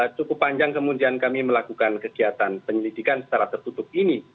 cukup panjang kemudian kami melakukan kegiatan penyelidikan secara tertutup ini